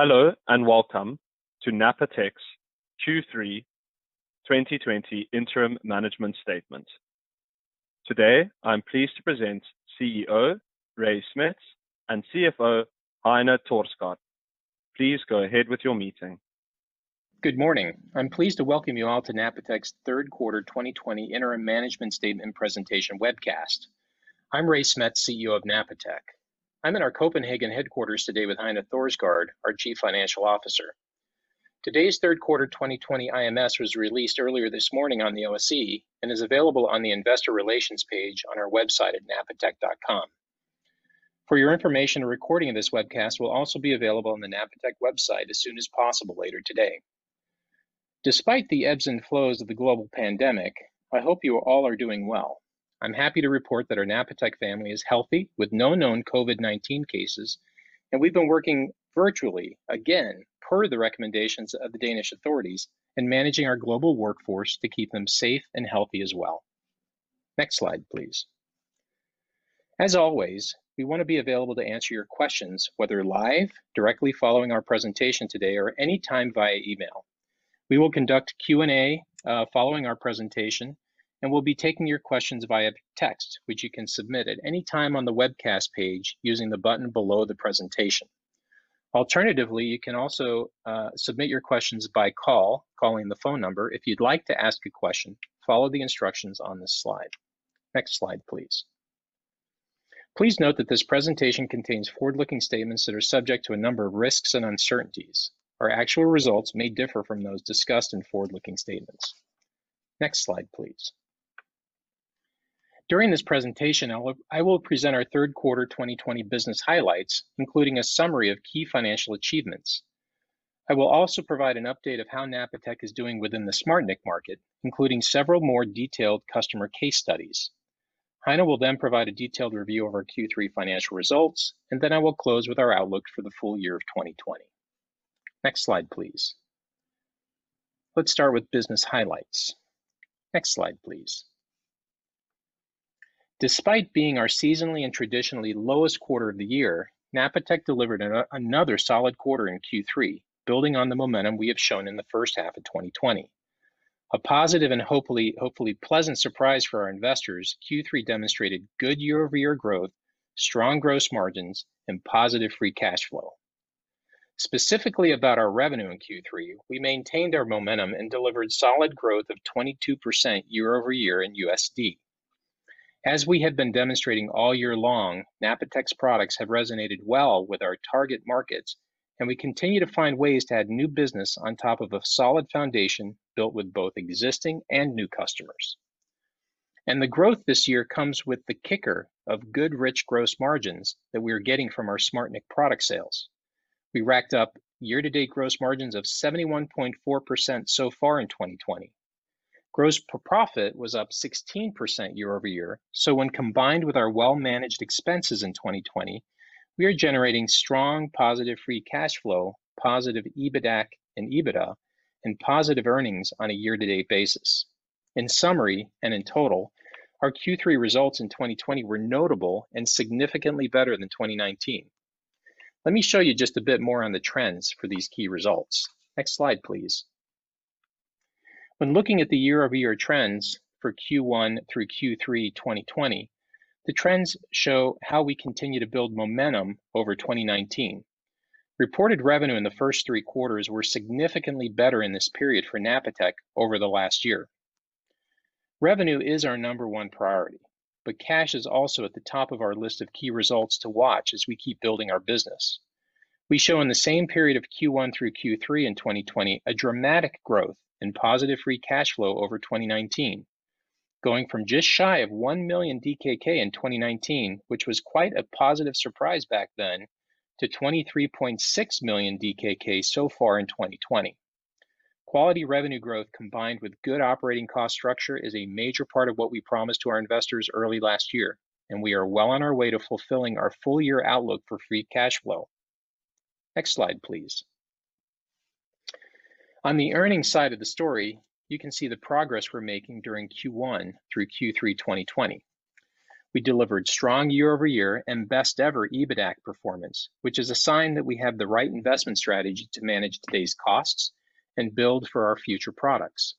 Hello, welcome to Napatech's Q3 2020 interim management statement. Today, I'm pleased to present CEO Ray Smets and CFO Heine Thorsgaard. Please go ahead with your meeting. Good morning. I'm pleased to welcome you all to Napatech's third quarter 2020 interim management statement presentation webcast. I'm Ray Smets, CEO of Napatech. I'm in our Copenhagen headquarters today with Heine Thorsgaard, our Chief Financial Officer. Today's third quarter 2020 IMS was released earlier this morning on the OSE and is available on the Investor Relations page on our website at napatech.com. For your information, a recording of this webcast will also be available on the Napatech website as soon as possible later today. Despite the ebbs and flows of the global pandemic, I hope you all are doing well. I'm happy to report that our Napatech family is healthy with no known COVID-19 cases, and we've been working virtually, again, per the recommendations of the Danish authorities in managing our global workforce to keep them safe and healthy as well. Next slide, please. As always, we want to be available to answer your questions, whether live, directly following our presentation today, or any time via email. We will conduct Q&A following our presentation, we'll be taking your questions via text, which you can submit at any time on the webcast page using the button below the presentation. Alternatively, you can also submit your questions by call, calling the phone number. If you'd like to ask a question, follow the instructions on this slide. Next slide, please. Please note that this presentation contains forward-looking statements that are subject to a number of risks and uncertainties. Our actual results may differ from those discussed in forward-looking statements. Next slide, please. During this presentation, I will present our third quarter 2020 business highlights, including a summary of key financial achievements. I will also provide an update of how Napatech is doing within the SmartNIC market, including several more detailed customer case studies. Heine will then provide a detailed review of our Q3 financial results, and then I will close with our outlook for the full year of 2020. Next slide, please. Let's start with business highlights. Next slide, please. Despite being our seasonally and traditionally lowest quarter of the year, Napatech delivered another solid quarter in Q3, building on the momentum we have shown in the first half of 2020. A positive and hopefully pleasant surprise for our investors, Q3 demonstrated good year-over-year growth, strong gross margins, and positive free cash flow. Specifically about our revenue in Q3, we maintained our momentum and delivered solid growth of 22% year-over-year in USD. As we have been demonstrating all year long, Napatech's products have resonated well with our target markets. We continue to find ways to add new business on top of a solid foundation built with both existing and new customers. The growth this year comes with the kicker of good, rich gross margins that we are getting from our SmartNIC product sales. We racked up year-to-date gross margins of 71.4% so far in 2020. Gross profit was up 16% year-over-year. When combined with our well-managed expenses in 2020, we are generating strong positive free cash flow, positive EBITDAC and EBITDA, and positive earnings on a year-to-date basis. In summary and in total, our Q3 results in 2020 were notable and significantly better than 2019. Let me show you just a bit more on the trends for these key results. Next slide, please. When looking at the year-over-year trends for Q1 through Q3 2020, the trends show how we continue to build momentum over 2019. Reported revenue in the first three quarters were significantly better in this period for Napatech over the last year. Revenue is our number one priority, but cash is also at the top of our list of key results to watch as we keep building our business. We show in the same period of Q1 through Q3 in 2020 a dramatic growth in positive free cash flow over 2019, going from just shy of 1 million DKK in 2019, which was quite a positive surprise back then, to 23.6 million DKK so far in 2020. Quality revenue growth combined with good operating cost structure is a major part of what we promised to our investors early last year, and we are well on our way to fulfilling our full-year outlook for free cash flow. Next slide, please. On the earnings side of the story, you can see the progress we're making during Q1 through Q3 2020. We delivered strong year-over-year and best ever EBITDAC performance, which is a sign that we have the right investment strategy to manage today's costs and build for our future products.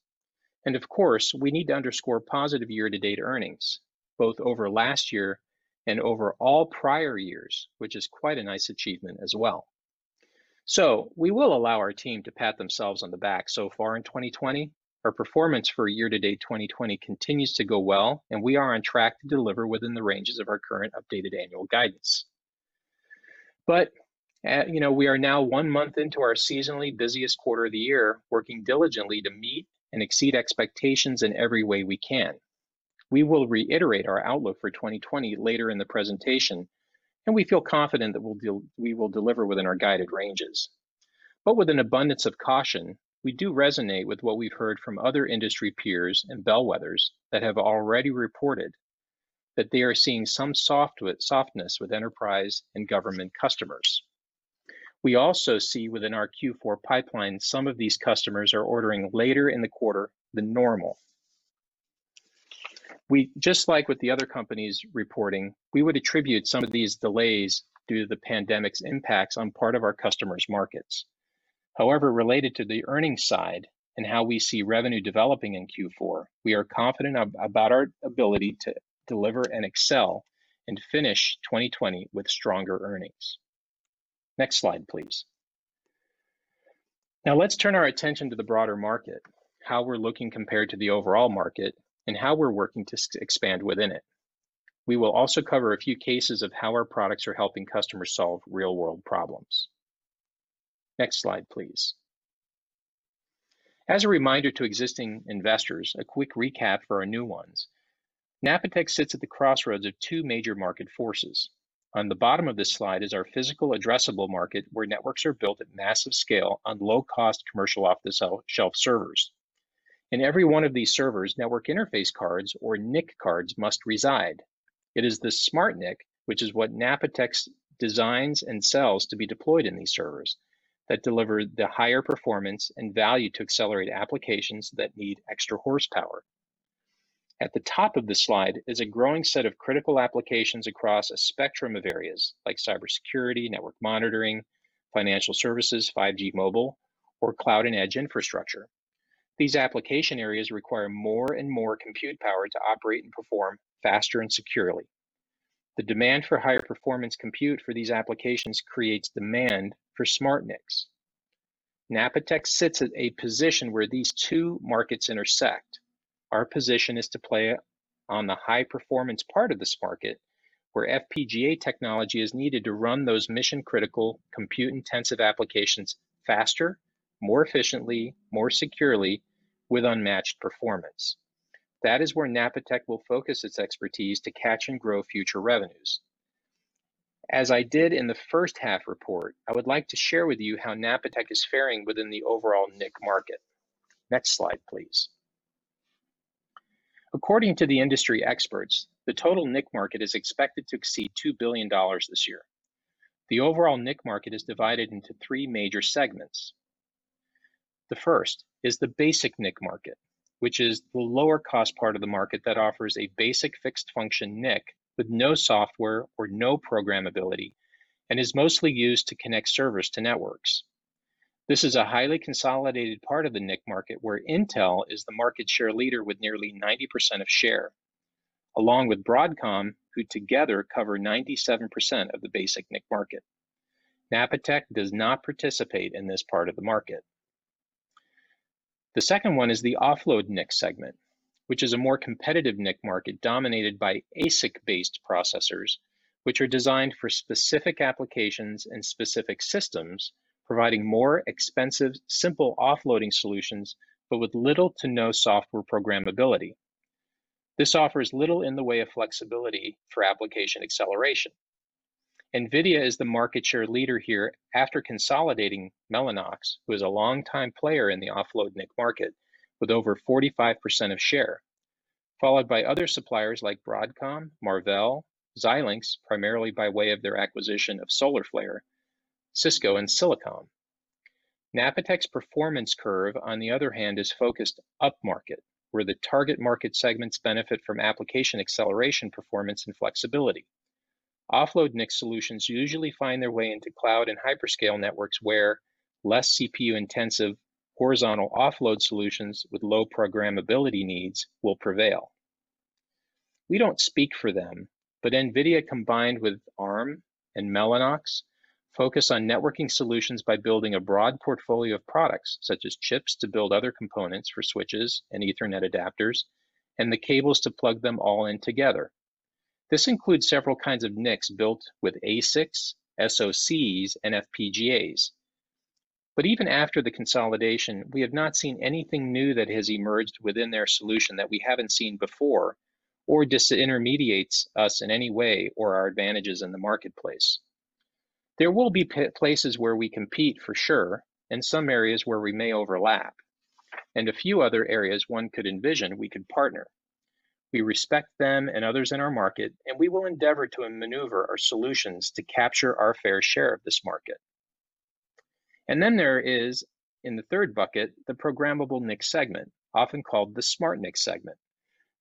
Of course, we need to underscore positive year-to-date earnings, both over last year and over all prior years, which is quite a nice achievement as well. We will allow our team to pat themselves on the back so far in 2020. Our performance for year-to-date 2020 continues to go well, and we are on track to deliver within the ranges of our current updated annual guidance. We are now one month into our seasonally busiest quarter of the year, working diligently to meet and exceed expectations in every way we can. We will reiterate our outlook for 2020 later in the presentation, and we feel confident that we will deliver within our guided ranges. With an abundance of caution, we do resonate with what we've heard from other industry peers and bellwethers that have already reported that they are seeing some softness with enterprise and government customers. We also see within our Q4 pipeline some of these customers are ordering later in the quarter than normal. Just like with the other companies reporting, we would attribute some of these delays due to the pandemic's impacts on part of our customers' markets. However, related to the earnings side and how we see revenue developing in Q4, we are confident about our ability to deliver and excel and finish 2020 with stronger earnings. Next slide, please. Now let's turn our attention to the broader market, how we're looking compared to the overall market, and how we're working to expand within it. We will also cover a few cases of how our products are helping customers solve real-world problems. Next slide, please. As a reminder to existing investors, a quick recap for our new ones. Napatech sits at the crossroads of two major market forces. On the bottom of this slide is our physical addressable market, where networks are built at massive scale on low-cost commercial off-the-shelf servers. In every one of these servers, network interface cards, or NIC cards, must reside. It is the SmartNIC, which is what Napatech designs and sells to be deployed in these servers, that deliver the higher performance and value to accelerate applications that need extra horsepower. At the top of this slide is a growing set of critical applications across a spectrum of areas like cybersecurity, network monitoring, financial services, 5G mobile, or cloud and edge infrastructure. These application areas require more and more compute power to operate and perform faster and securely. The demand for higher performance compute for these applications creates demand for SmartNICs. Napatech sits at a position where these two markets intersect. Our position is to play on the high-performance part of this market where FPGA technology is needed to run those mission-critical, compute-intensive applications faster, more efficiently, more securely, with unmatched performance. That is where Napatech will focus its expertise to catch and grow future revenues. As I did in the first half report, I would like to share with you how Napatech is faring within the overall NIC market. Next slide, please. According to the industry experts, the total NIC market is expected to exceed $2 billion this year. The overall NIC market is divided into three major segments. The first is the basic NIC market, which is the lower-cost part of the market that offers a basic fixed function NIC with no software or no programmability and is mostly used to connect servers to networks. This is a highly consolidated part of the NIC market where Intel is the market share leader with nearly 90% of share, along with Broadcom, who together cover 97% of the basic NIC market. Napatech does not participate in this part of the market. The second one is the offload NIC segment, which is a more competitive NIC market dominated by ASIC-based processors, which are designed for specific applications and specific systems, providing more expensive, simple offloading solutions, but with little to no software programmability. This offers little in the way of flexibility for application acceleration. NVIDIA is the market share leader here after consolidating Mellanox, who is a long-time player in the offload NIC market with over 45% of share, followed by other suppliers like Broadcom, Marvell, Xilinx, primarily by way of their acquisition of Solarflare, Cisco, and Silicom. Napatech's performance curve, on the other hand, is focused upmarket, where the target market segments benefit from application acceleration performance and flexibility. offload NIC solutions usually find their way into cloud and hyperscale networks where less CPU-intensive horizontal offload solutions with low programmability needs will prevail. We don't speak for them, but NVIDIA combined with Arm and Mellanox focus on networking solutions by building a broad portfolio of products, such as chips to build other components for switches and Ethernet adapters, and the cables to plug them all in together. This includes several kinds of NICs built with ASICs, SoCs, and FPGAs. Even after the consolidation, we have not seen anything new that has emerged within their solution that we haven't seen before or disintermediates us in any way or our advantages in the marketplace. There will be places where we compete for sure and some areas where we may overlap, and a few other areas one could envision we could partner. We respect them and others in our market, and we will endeavor to maneuver our solutions to capture our fair share of this market. There is, in the third bucket, the programmable NIC segment, often called the SmartNIC segment,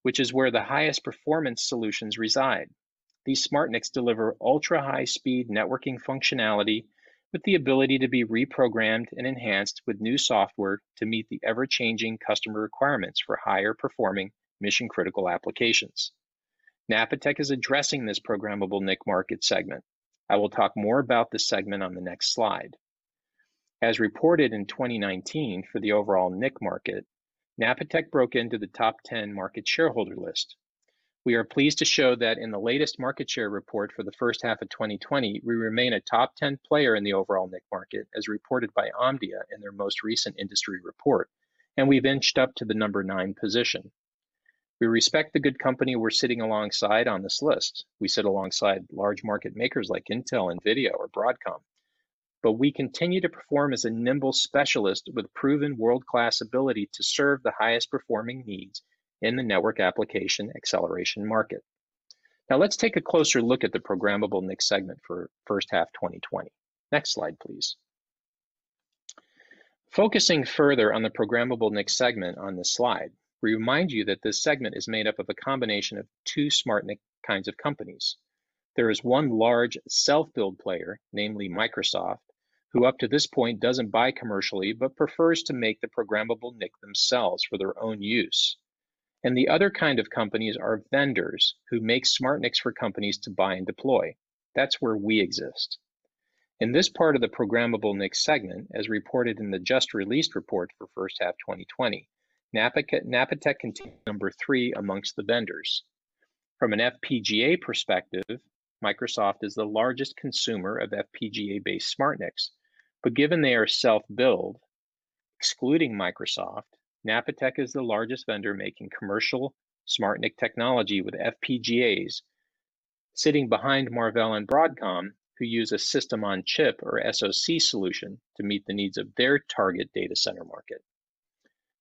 which is where the highest performance solutions reside. These SmartNICs deliver ultra-high speed networking functionality with the ability to be reprogrammed and enhanced with new software to meet the ever-changing customer requirements for higher-performing mission-critical applications. Napatech is addressing this programmable NIC market segment. I will talk more about this segment on the next slide. As reported in 2019 for the overall NIC market, Napatech broke into the top 10 market shareholder list. We are pleased to show that in the latest market share report for the first half of 2020, we remain a top 10 player in the overall NIC market, as reported by Omdia in their most recent industry report, and we've inched up to the number nine position. We respect the good company we're sitting alongside on this list. We sit alongside large market makers like Intel, NVIDIA, or Broadcom. We continue to perform as a nimble specialist with proven world-class ability to serve the highest performing needs in the network application acceleration market. Now let's take a closer look at the programmable NIC segment for first half 2020. Next slide, please. Focusing further on the programmable NIC segment on this slide, we remind you that this segment is made up of a combination of two SmartNIC kinds of companies. There is one large self-build player, namely Microsoft, who up to this point doesn't buy commercially but prefers to make the programmable NIC themselves for their own use. The other kind of companies are vendors who make SmartNICs for companies to buy and deploy. That's where we exist. In this part of the programmable NIC segment, as reported in the just-released report for first half 2020, Napatech continues number three amongst the vendors. From an FPGA perspective, Microsoft is the largest consumer of FPGA-based SmartNICs, but given they are self-build, excluding Microsoft, Napatech is the largest vendor making commercial SmartNIC technology with FPGAs sitting behind Marvell and Broadcom, who use a system on chip, or SoC solution, to meet the needs of their target data center market.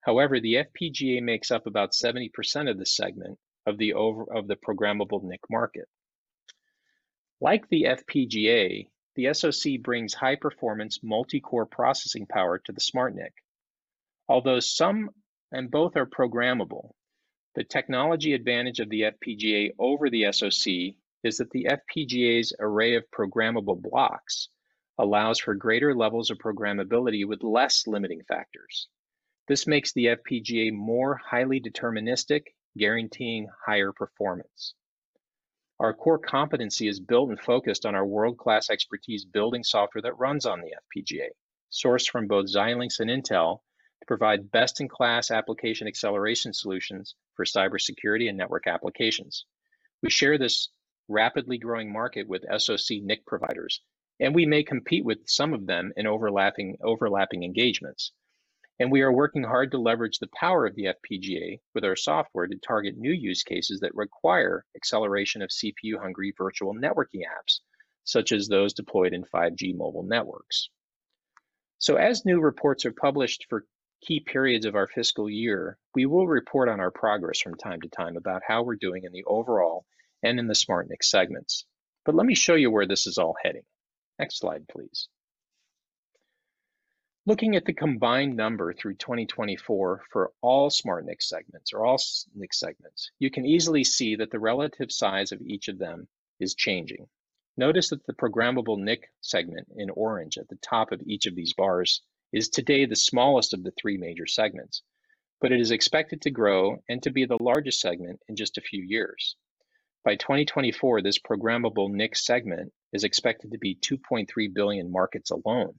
However, the FPGA makes up about 70% of the segment of the programmable NIC market. Like the FPGA, the SoC brings high-performance multi-core processing power to the SmartNIC. Although some and both are programmable, the technology advantage of the FPGA over the SoC is that the FPGA's array of programmable blocks allows for greater levels of programmability with less limiting factors. This makes the FPGA more highly deterministic, guaranteeing higher performance. Our core competency is built and focused on our world-class expertise building software that runs on the FPGA, sourced from both Xilinx and Intel, to provide best-in-class application acceleration solutions for cybersecurity and network applications. We share this rapidly growing market with SoC NIC providers, and we may compete with some of them in overlapping engagements. We are working hard to leverage the power of the FPGA with our software to target new use cases that require acceleration of CPU-hungry virtual networking apps, such as those deployed in 5G mobile networks. As new reports are published for key periods of our fiscal year, we will report on our progress from time to time about how we're doing in the overall and in the SmartNIC segments. Let me show you where this is all heading. Next slide, please. Looking at the combined number through 2024 for all SmartNIC segments or all NIC segments, you can easily see that the relative size of each of them is changing. Notice that the programmable NIC segment in orange at the top of each of these bars is today the smallest of the three major segments, but it is expected to grow and to be the largest segment in just a few years. By 2024, this programmable NIC segment is expected to be a $2.3 billion market alone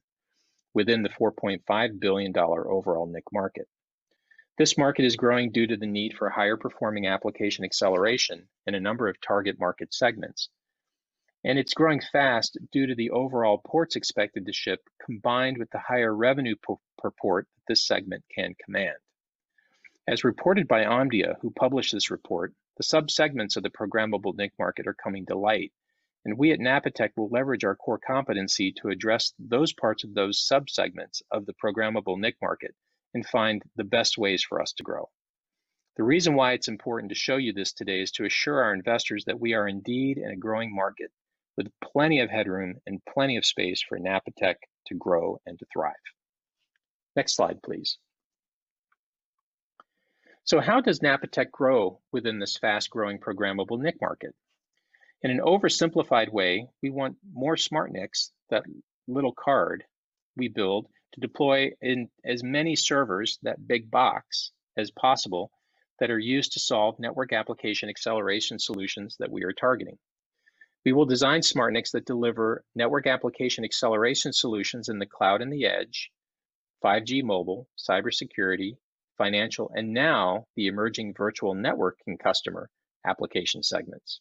within the $4.5 billion overall NIC market. This market is growing due to the need for higher-performing application acceleration in a number of target market segments, and it's growing fast due to the overall ports expected to ship, combined with the higher revenue per port that this segment can command. As reported by Omdia, who published this report, the subsegments of the programmable NIC market are coming to light, and we at Napatech will leverage our core competency to address those parts of those subsegments of the programmable NIC market and find the best ways for us to grow. The reason why it's important to show you this today is to assure our investors that we are indeed in a growing market with plenty of headroom and plenty of space for Napatech to grow and to thrive. Next slide, please. How does Napatech grow within this fast-growing programmable NIC market? In an oversimplified way, we want more SmartNICs, that little card we build, to deploy in as many servers, that big box, as possible that are used to solve network application acceleration solutions that we are targeting. We will design SmartNICs that deliver network application acceleration solutions in the cloud and the edge, 5G mobile, cybersecurity, financial, and now the emerging virtual networking customer application segments.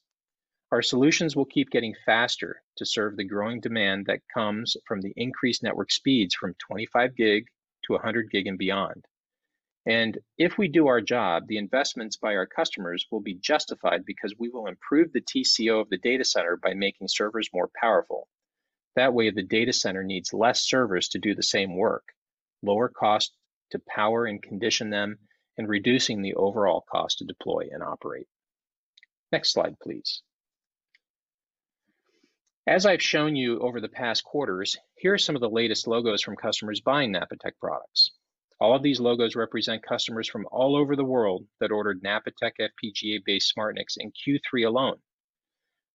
Our solutions will keep getting faster to serve the growing demand that comes from the increased network speeds from 25 Gbps to 100 Gbps and beyond. If we do our job, the investments by our customers will be justified because we will improve the TCO of the data center by making servers more powerful. That way, the data center needs less servers to do the same work, lower cost to power and condition them, and reducing the overall cost to deploy and operate. Next slide, please. As I've shown you over the past quarters, here are some of the latest logos from customers buying Napatech products. All of these logos represent customers from all over the world that ordered Napatech FPGA-based SmartNICs in Q3 alone.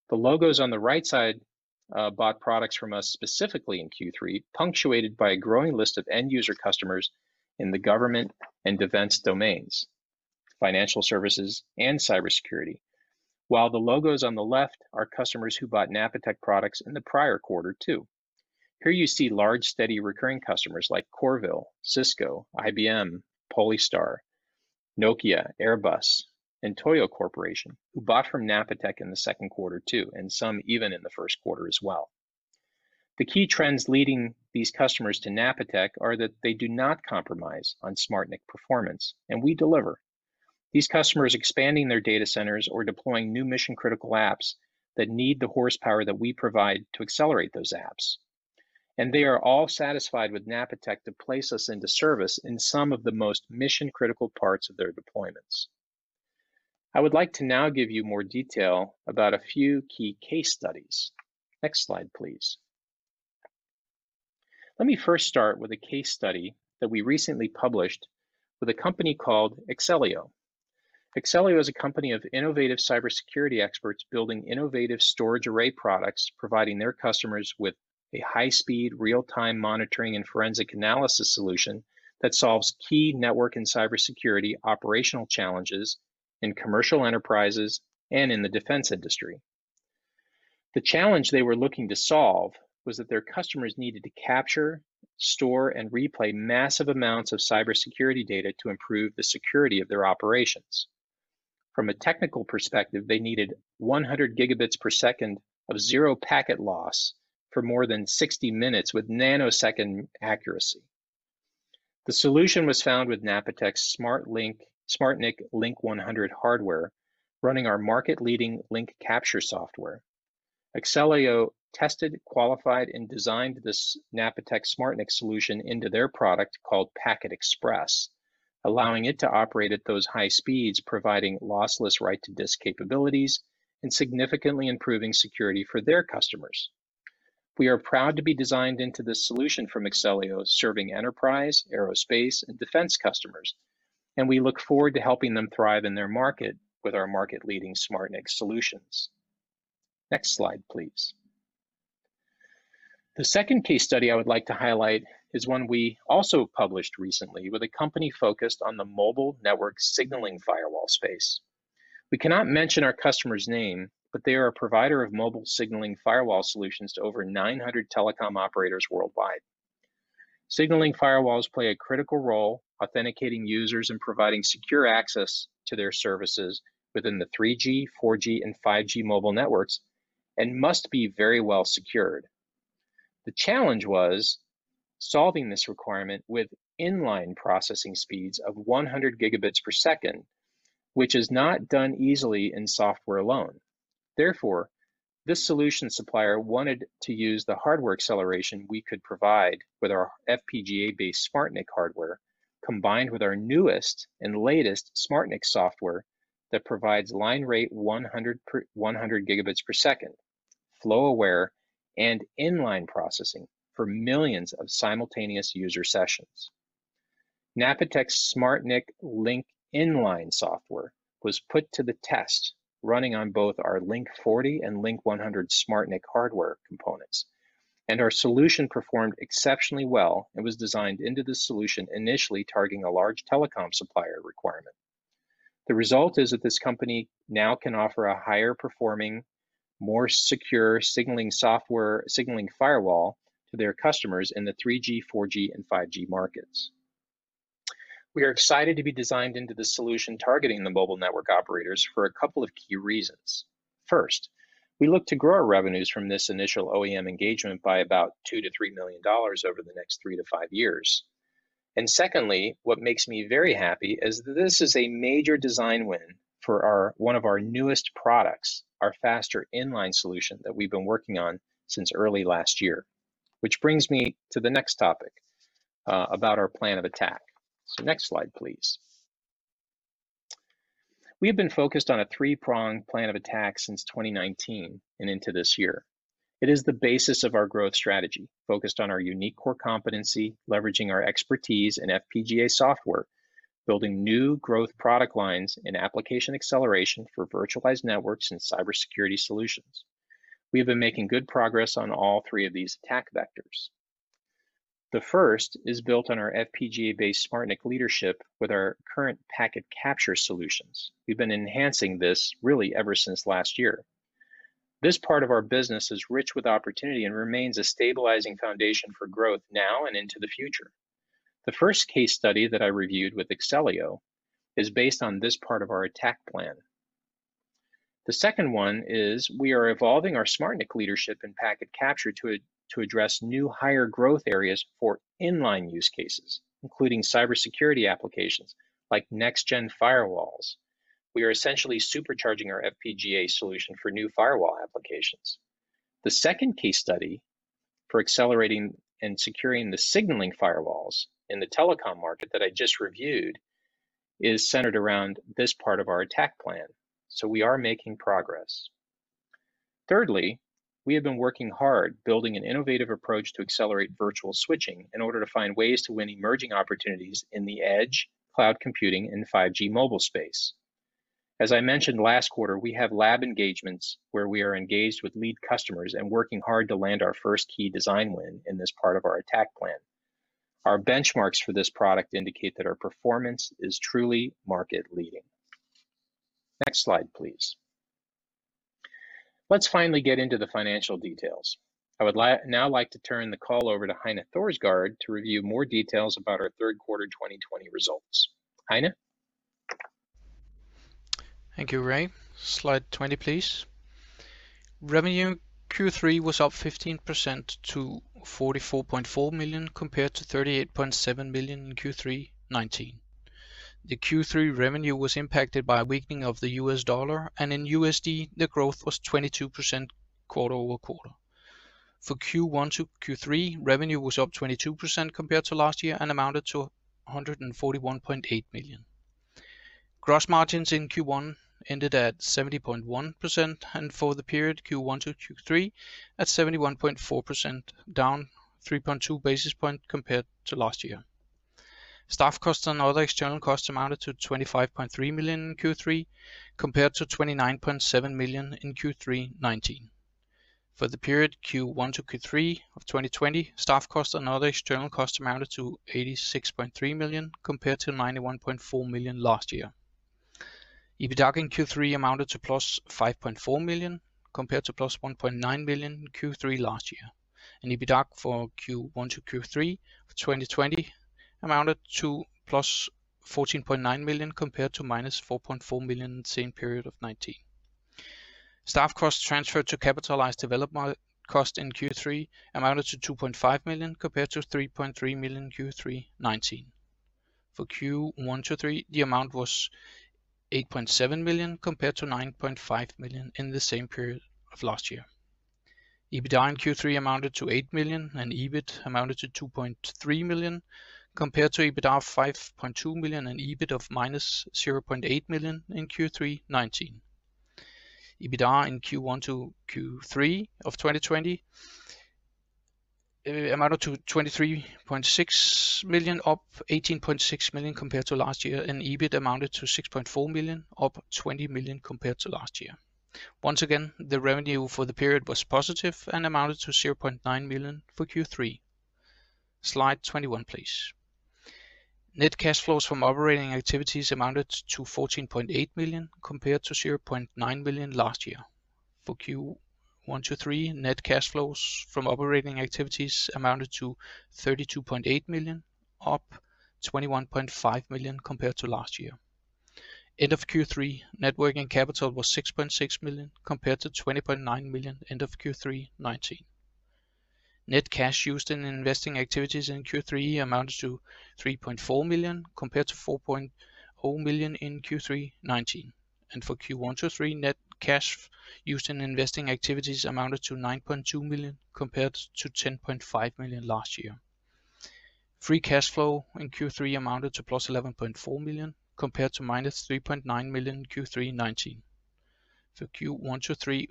The logos on the right side bought products from us specifically in Q3, punctuated by a growing list of end-user customers in the government and defense domains, financial services, and cybersecurity. While the logos on the left are customers who bought Napatech products in the prior quarter, too. Here you see large, steady, recurring customers like Corvil, Cisco, IBM, Polystar, Nokia, Airbus, and TOYO Corporation, who bought from Napatech in the second quarter too, and some even in the first quarter as well. The key trends leading these customers to Napatech are that they do not compromise on SmartNIC performance, and we deliver. These customers expanding their data centers or deploying new mission-critical apps that need the horsepower that we provide to accelerate those apps, and they are all satisfied with Napatech to place us into service in some of the most mission-critical parts of their deployments. I would like to now give you more detail about a few key case studies. Next slide, please. Let me first start with a case study that we recently published with a company called Axellio. Axellio is a company of innovative cybersecurity experts building innovative storage array products, providing their customers with a high-speed, real-time monitoring and forensic analysis solution that solves key network and cybersecurity operational challenges in commercial enterprises and in the defense industry. The challenge they were looking to solve was that their customers needed to capture, store, and replay massive amounts of cybersecurity data to improve the security of their operations. From a technical perspective, they needed 100 Gbps of zero packet loss for more than 60 minutes with nanosecond accuracy. The solution was found with Napatech's SmartNIC Link-100 hardware running our market-leading Link-Capture Software. Axellio tested, qualified, and designed this Napatech SmartNIC solution into their product, called PacketXpress, allowing it to operate at those high speeds, providing lossless write-to-disk capabilities and significantly improving security for their customers. We are proud to be designed into this solution from Axellio, serving enterprise, aerospace, and defense customers, and we look forward to helping them thrive in their market with our market-leading SmartNIC solutions. Next slide, please. The second case study I would like to highlight is one we also published recently with a company focused on the mobile network signaling firewall space. We cannot mention our customer's name, but they are a provider of mobile signaling firewall solutions to over 900 telecom operators worldwide. Signaling firewalls play a critical role authenticating users and providing secure access to their services within the 3G, 4G, and 5G mobile networks and must be very well secured. The challenge was solving this requirement with inline processing speeds of 100 Gbps, which is not done easily in software alone. Therefore, this solution supplier wanted to use the hardware acceleration we could provide with our FPGA-based SmartNIC hardware, combined with our newest and latest SmartNIC software that provides line rate 100 Gbps, flow aware, and inline processing for millions of simultaneous user sessions. Napatech SmartNIC Link-Inline software was put to the test, running on both our Link-40 and Link-100 SmartNIC hardware components, and our solution performed exceptionally well and was designed into the solution initially targeting a large telecom supplier requirement. The result is that this company now can offer a higher performing, more secure signaling firewall to their customers in the 3G, 4G, and 5G markets. We are excited to be designed into the solution targeting the mobile network operators for a couple of key reasons. First, we look to grow our revenues from this initial OEM engagement by about $2 million-$3 million over the next three to five years. Secondly, what makes me very happy is that this is a major design win for one of our newest products, our faster inline solution that we've been working on since early last year, which brings me to the next topic, about our plan of attack. Next slide, please. We have been focused on a three-pronged plan of attack since 2019 and into this year. It is the basis of our growth strategy, focused on our unique core competency, leveraging our expertise in FPGA software, building new growth product lines in application acceleration for virtualized networks and cybersecurity solutions. We have been making good progress on all three of these attack vectors. The first is built on our FPGA-based SmartNIC leadership with our current Packet Capture solutions. We've been enhancing this really ever since last year. This part of our business is rich with opportunity and remains a stabilizing foundation for growth now and into the future. The first case study that I reviewed with Axellio is based on this part of our attack plan. The second one is we are evolving our SmartNIC leadership in Packet Capture to address new higher growth areas for inline use cases, including cybersecurity applications like next-gen firewalls. We are essentially supercharging our FPGA solution for new firewall applications. The second case study for accelerating and securing the signaling firewalls in the telecom market that I just reviewed is centered around this part of our attack plan. We are making progress. Thirdly, we have been working hard building an innovative approach to accelerate virtual switching in order to find ways to win emerging opportunities in the edge, cloud computing, and 5G mobile space. As I mentioned last quarter, we have lab engagements where we are engaged with lead customers and working hard to land our first key design win in this part of our attack plan. Our benchmarks for this product indicate that our performance is truly market-leading. Next slide, please. Let's finally get into the financial details. I would now like to turn the call over to Heine Thorsgaard to review more details about our third quarter 2020 results. Heine? Thank you, Ray. Slide 20, please. Revenue in Q3 was up 15% to 44.4 million compared to 38.7 million in Q3 2019. The Q3 revenue was impacted by a weakening of the U.S. dollar, and in USD, the growth was 22% quarter-over-quarter. For Q1 to Q3, revenue was up 22% compared to last year and amounted to 141.8 million. Gross margins in Q1 ended at 70.1%, and for the period Q1 to Q3 at 71.4%, down 3.2 basis points compared to last year. Staff costs and other external costs amounted to 25.3 million in Q3, compared to 29.7 million in Q3 2019. For the period Q1 to Q3 of 2020, staff costs and other external costs amounted to 86.3 million, compared to 91.4 million last year. EBITDA in Q3 amounted to +5.4 million, compared to +1.9 million in Q3 last year. EBITDA for Q1 to Q3 2020 amounted to +14.9 million, compared to -4.4 million in the same period of 2019. Staff costs transferred to capitalized development cost in Q3 amounted to 2.5 million, compared to 3.3 million in Q3 2019. For Q1 to Q3, the amount was 8.7 million, compared to 9.5 million in the same period of last year. EBITDA in Q3 amounted to 8 million, and EBIT amounted to 2.3 million, compared to EBITDA of 5.2 million and EBIT of -0.8 million in Q3 2019. EBITDA in Q1 to Q3 2020 amounted to 23.6 million, up 18.6 million compared to last year, and EBIT amounted to 6.4 million, up 20 million compared to last year. Once again, the revenue for the period was positive and amounted to 0.9 million for Q3. Slide 21, please. Net cash flows from operating activities amounted to 14.8 million, compared to 0.9 million last year. For Q1 to Q3, net cash flows from operating activities amounted to 32.8 million, up 21.5 million compared to last year. End of Q3, net working capital was 6.6 million, compared to 20.9 million end of Q3 2019. Net cash used in investing activities in Q3 amounted to 3.4 million, compared to 4.0 million in Q3 2019. For Q1 to Q3, net cash used in investing activities amounted to 9.2 million, compared to 10.5 million last year. Free cash flow in Q3 amounted to +11.4 million, compared to -3.9 million in Q3 2019. For Q1 to Q3,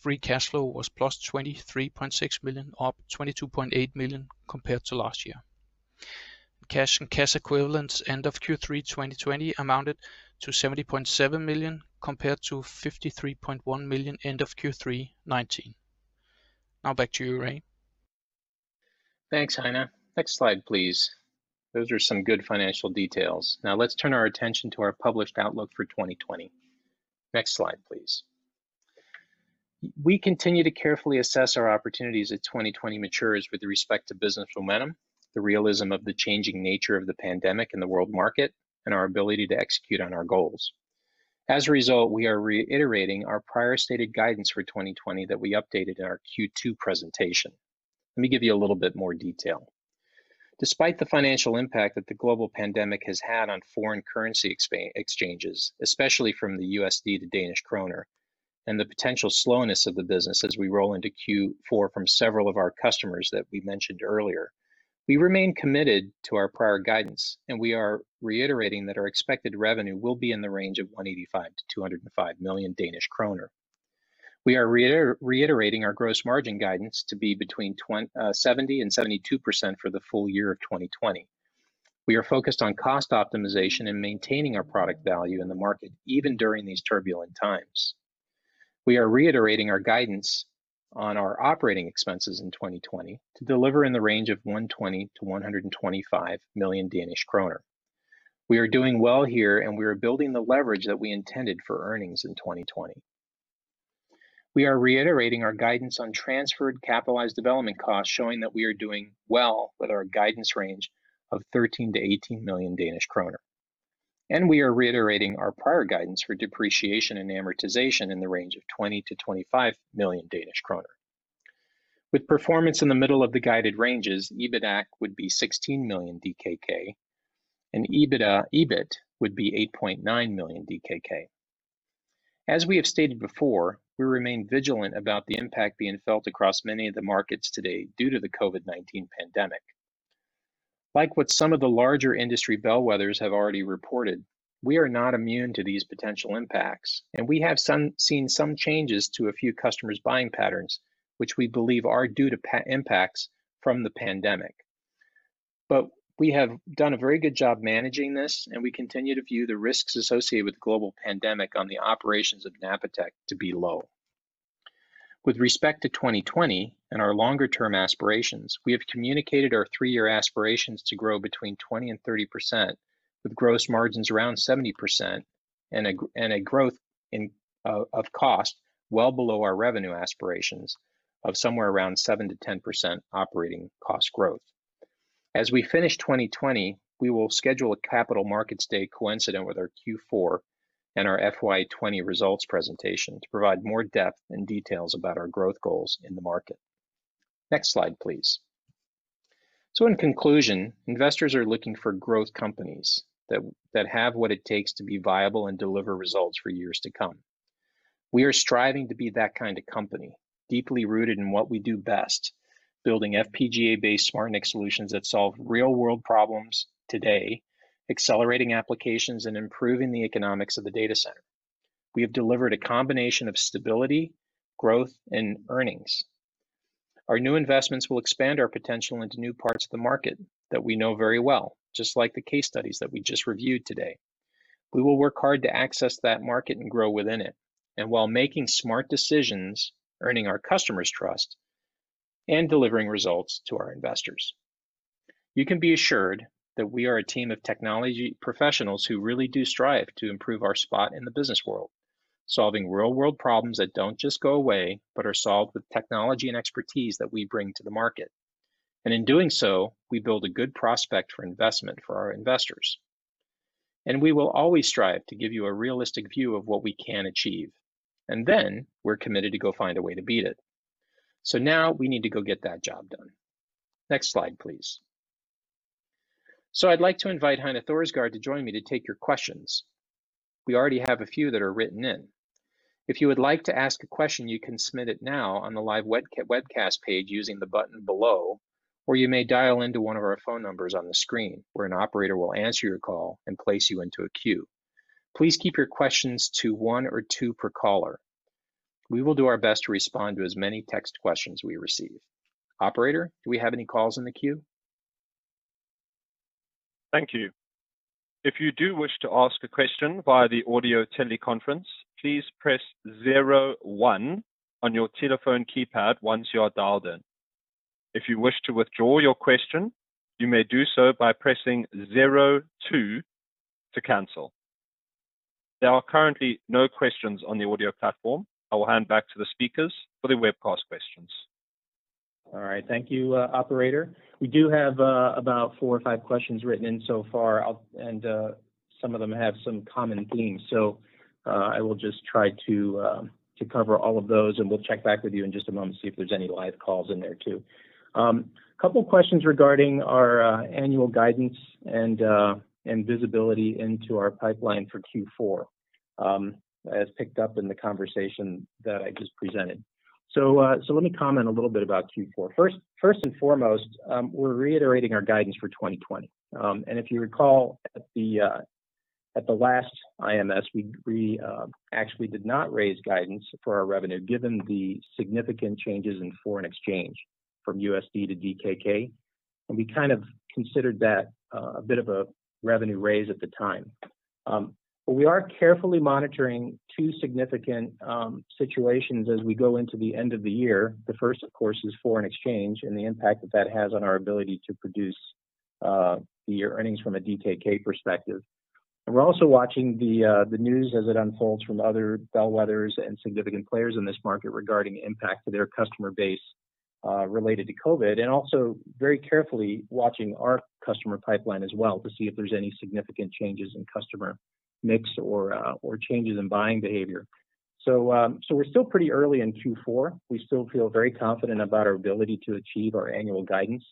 free cash flow was +23.6 million, up 22.8 million compared to last year. Cash and cash equivalents end of Q3 2020 amounted to 70.7 million, compared to 53.1 million end of Q3 2019. Now back to you, Ray. Thanks, Heine. Next slide, please. Those are some good financial details. Let's turn our attention to our published outlook for 2020. Next slide, please. We continue to carefully assess our opportunities as 2020 matures with respect to business momentum, the realism of the changing nature of the pandemic in the world market, and our ability to execute on our goals. We are reiterating our prior stated guidance for 2020 that we updated in our Q2 presentation. Let me give you a little bit more detail. Despite the financial impact that the global pandemic has had on foreign currency exchanges, especially from the USD to Danish kroner, and the potential slowness of the business as we roll into Q4 from several of our customers that we mentioned earlier, we remain committed to our prior guidance, and we are reiterating that our expected revenue will be in the range of 185 million-205 million Danish kroner. We are reiterating our gross margin guidance to be between 70%-72% for the full year of 2020. We are focused on cost optimization and maintaining our product value in the market, even during these turbulent times. We are reiterating our guidance on our operating expenses in 2020 to deliver in the range of 120 million-125 million Danish kroner. We are doing well here, and we are building the leverage that we intended for earnings in 2020. We are reiterating our guidance on transferred capitalized development costs, showing that we are doing well with our guidance range of 13 million-18 million Danish kroner. We are reiterating our prior guidance for depreciation and amortization in the range of 20 million-25 million Danish kroner. With performance in the middle of the guided ranges, EBITDAC would be DKK 16 million, and EBIT would be DKK 8.9 million. As we have stated before, we remain vigilant about the impact being felt across many of the markets today due to the COVID-19 pandemic. Like what some of the larger industry bellwethers have already reported, we are not immune to these potential impacts, and we have seen some changes to a few customers' buying patterns, which we believe are due to impacts from the pandemic. We have done a very good job managing this, and we continue to view the risks associated with the global pandemic on the operations of Napatech to be low. With respect to 2020 and our longer-term aspirations, we have communicated our three-year aspirations to grow between 20% and 30%, with gross margins around 70% and a growth of cost well below our revenue aspirations of somewhere around 7%-10% operating cost growth. As we finish 2020, we will schedule a Capital Markets Day coincident with our Q4 and our FY 2020 results presentation to provide more depth and details about our growth goals in the market. Next slide, please. In conclusion, investors are looking for growth companies that have what it takes to be viable and deliver results for years to come. We are striving to be that kind of company, deeply rooted in what we do best, building FPGA-based SmartNIC solutions that solve real-world problems today, accelerating applications, and improving the economics of the data center. We have delivered a combination of stability, growth, and earnings. Our new investments will expand our potential into new parts of the market that we know very well, just like the case studies that we just reviewed today. We will work hard to access that market and grow within it, while making smart decisions, earning our customers' trust, and delivering results to our investors. You can be assured that we are a team of technology professionals who really do strive to improve our spot in the business world, solving real-world problems that don't just go away but are solved with technology and expertise that we bring to the market. In doing so, we build a good prospect for investment for our investors. We will always strive to give you a realistic view of what we can achieve. We're committed to go find a way to beat it. Now we need to go get that job done. Next slide, please. I'd like to invite Heine Thorsgaard to join me to take your questions. We already have a few that are written in. If you would like to ask a question, you can submit it now on the live webcast page using the button below, or you may dial into one of our phone numbers on the screen, where an operator will answer your call and place you into a queue. Please keep your questions to one or two per caller. We will do our best to respond to as many text questions we receive. Operator, do we have any calls in the queue? Thank you. If you do wish to ask a question via the audio teleconference, please press zero one on your telephone keypad once you are dialed in. If you wish to withdraw your question, you may do so by pressing zero two to cancel. There are currently no questions on the audio platform. I will hand back to the speakers for the webcast questions. All right. Thank you, Operator. We do have about four or five questions written in so far, and some of them have some common themes, so I will just try to cover all of those, and we will check back with you in just a moment to see if there is any live calls in there too. Couple questions regarding our annual guidance and visibility into our pipeline for Q4, as picked up in the conversation that I just presented. Let me comment a little bit about Q4. First and foremost, we're reiterating our guidance for 2020. If you recall, at the last IMS, we actually did not raise guidance for our revenue given the significant changes in foreign exchange from USD to DKK, and we kind of considered that a bit of a revenue raise at the time. We are carefully monitoring two significant situations as we go into the end of the year. The first, of course, is foreign exchange and the impact that that has on our ability to produce the earnings from a DKK perspective. We're also watching the news as it unfolds from other bellwethers and significant players in this market regarding impact to their customer base related to COVID, and also very carefully watching our customer pipeline as well to see if there's any significant changes in customer mix or changes in buying behavior. We're still pretty early in Q4. We still feel very confident about our ability to achieve our annual guidance.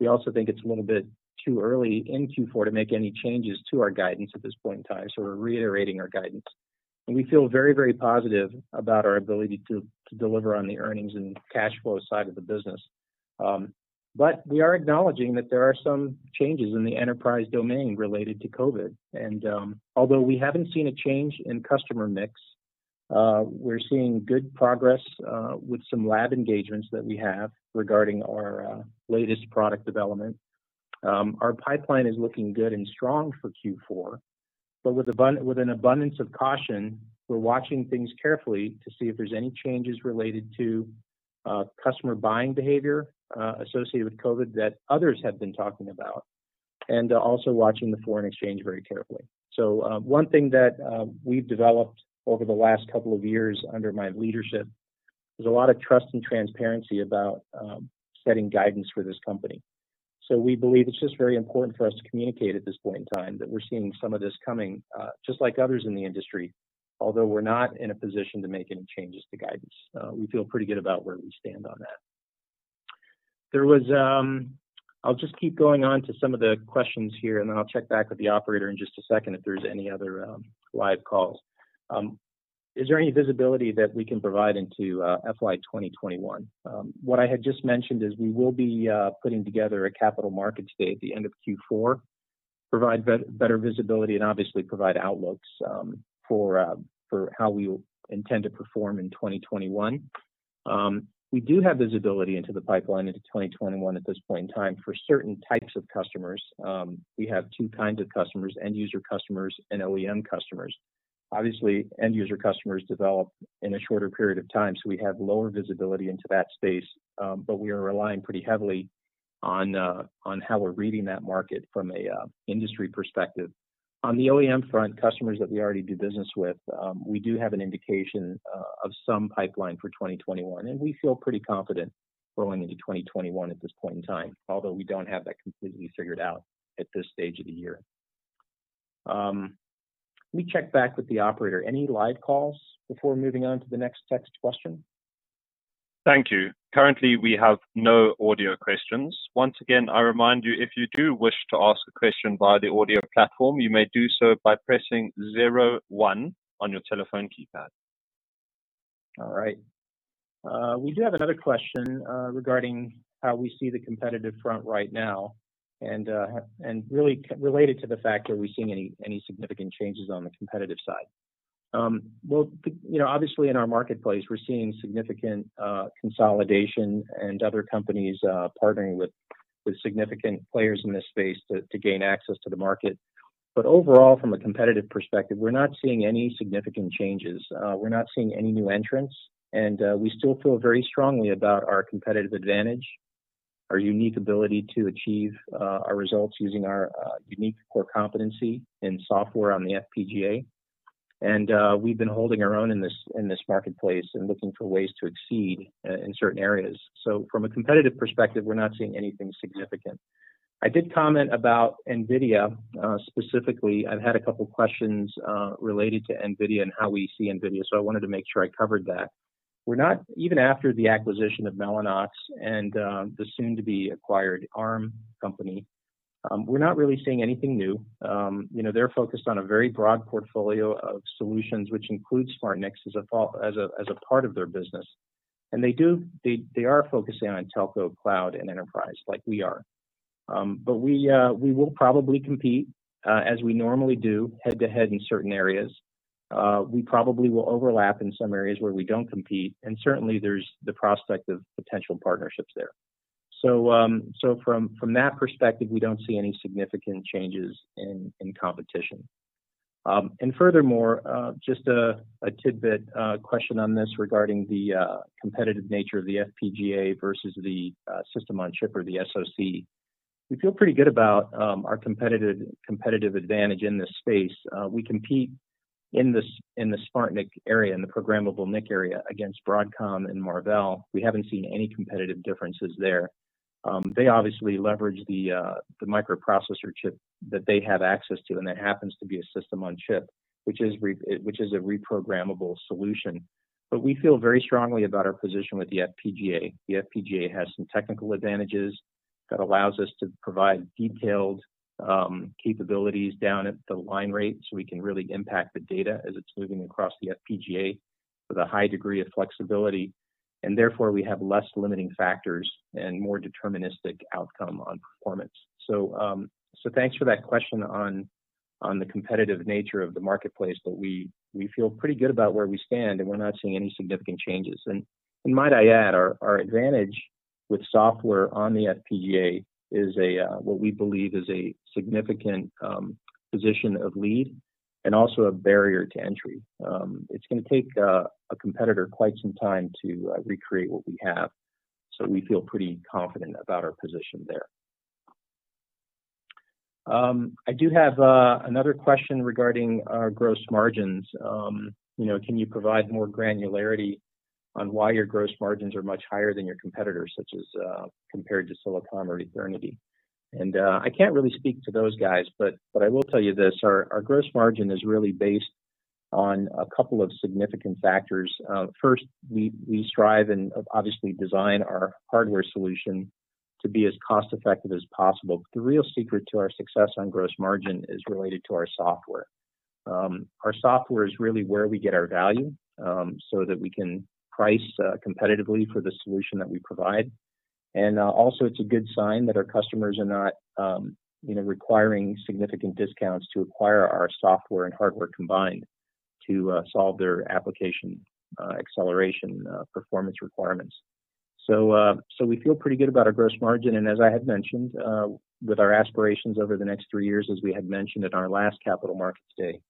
We also think it's a little bit too early in Q4 to make any changes to our guidance at this point in time, so we're reiterating our guidance. We feel very positive about our ability to deliver on the earnings and cash flow side of the business. We are acknowledging that there are some changes in the enterprise domain related to COVID. Although we haven't seen a change in customer mix, we're seeing good progress with some lab engagements that we have regarding our latest product development. Our pipeline is looking good and strong for Q4, but with an abundance of caution, we're watching things carefully to see if there's any changes related to customer buying behavior associated with COVID that others have been talking about, and also watching the foreign exchange very carefully. One thing that we've developed over the last couple of years under my leadership is a lot of trust and transparency about setting guidance for this company. We believe it's just very important for us to communicate at this point in time that we're seeing some of this coming, just like others in the industry, although we're not in a position to make any changes to guidance. We feel pretty good about where we stand on that. I'll just keep going on to some of the questions here, and then I'll check back with the operator in just a second if there's any other live calls. Is there any visibility that we can provide into FY 2021? What I had just mentioned is we will be putting together a Capital Markets Day at the end of Q4, provide better visibility, and obviously provide outlooks for how we intend to perform in 2021. We do have visibility into the pipeline into 2021 at this point in time for certain types of customers. We have two kinds of customers, end user customers and OEM customers. Obviously, end user customers develop in a shorter period of time, so we have lower visibility into that space, but we are relying pretty heavily on how we're reading that market from an industry perspective. On the OEM front, customers that we already do business with, we do have an indication of some pipeline for 2021, and we feel pretty confident going into 2021 at this point in time, although we don't have that completely figured out at this stage of the year. Let me check back with the operator. Any live calls before moving on to the next text question? Thank you. Currently, we have no audio questions. Once again, I remind you, if you do wish to ask a question via the audio platform, you may do so by pressing zero one on your telephone keypad. All right. We do have another question regarding how we see the competitive front right now and really related to the fact, are we seeing any significant changes on the competitive side? Well, obviously in our marketplace, we're seeing significant consolidation and other companies partnering with significant players in this space to gain access to the market. Overall, from a competitive perspective, we're not seeing any significant changes. We're not seeing any new entrants, we still feel very strongly about our competitive advantage, our unique ability to achieve our results using our unique core competency in software on the FPGA. We've been holding our own in this marketplace and looking for ways to exceed in certain areas. From a competitive perspective, we're not seeing anything significant. I did comment about NVIDIA specifically. I've had a couple questions related to NVIDIA and how we see NVIDIA, so I wanted to make sure I covered that. Even after the acquisition of Mellanox and the soon-to-be-acquired Arm company, we're not really seeing anything new. They're focused on a very broad portfolio of solutions, which includes SmartNICs as a part of their business. They are focusing on telco, cloud, and enterprise like we are. We will probably compete, as we normally do, head-to-head in certain areas. We probably will overlap in some areas where we don't compete, and certainly there's the prospect of potential partnerships there. From that perspective, we don't see any significant changes in competition. Furthermore, just a tidbit question on this regarding the competitive nature of the FPGA versus the system on chip or the SoC. We feel pretty good about our competitive advantage in this space. We compete in the SmartNIC area, in the programmable NIC area against Broadcom and Marvell. We haven't seen any competitive differences there. They obviously leverage the microprocessor chip that they have access to, that happens to be a system on chip, which is a reprogrammable solution. We feel very strongly about our position with the FPGA. The FPGA has some technical advantages that allows us to provide detailed capabilities down at the line rate, we can really impact the data as it's moving across the FPGA with a high degree of flexibility, therefore we have less limiting factors and more deterministic outcome on performance. Thanks for that question on the competitive nature of the marketplace, we feel pretty good about where we stand, we're not seeing any significant changes. Might I add, our advantage with software on the FPGA is what we believe is a significant position of lead and also a barrier to entry. It's going to take a competitor quite some time to recreate what we have. We feel pretty confident about our position there. I do have another question regarding our gross margins. Can you provide more granularity on why your gross margins are much higher than your competitors, such as compared to Silicom or Ethernity? I can't really speak to those guys. I will tell you this. Our gross margin is really based on a couple of significant factors. First, we strive and obviously design our hardware solution to be as cost-effective as possible. The real secret to our success on gross margin is related to our software. Our software is really where we get our value, so that we can price competitively for the solution that we provide. Also it's a good sign that our customers are not requiring significant discounts to acquire our software and hardware combined to solve their application acceleration performance requirements. We feel pretty good about our gross margin, and as I had mentioned, with our aspirations over the next three years, as we had mentioned at our last Capital Markets Day,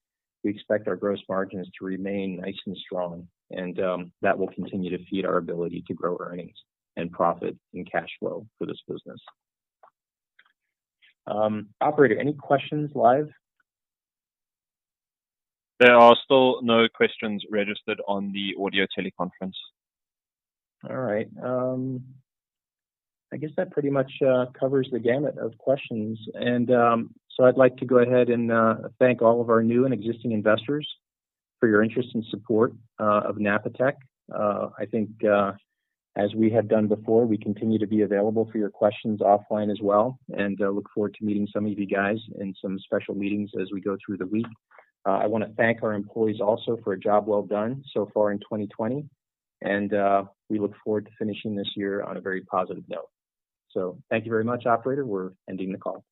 we expect our gross margins to remain nice and strong, and that will continue to feed our ability to grow earnings and profit and cash flow for this business. Operator, any questions live? There are still no questions registered on the audio teleconference. All right. I guess that pretty much covers the gamut of questions. I'd like to go ahead and thank all of our new and existing investors for your interest and support of Napatech. I think as we have done before, we continue to be available for your questions offline as well, and look forward to meeting some of you guys in some special meetings as we go through the week. I want to thank our employees also for a job well done so far in 2020, and we look forward to finishing this year on a very positive note. Thank you very much, Operator. We're ending the call.